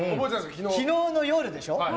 昨日の夜でしょ。